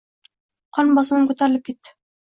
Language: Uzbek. Qon bosimim ko'tarilib ketdi.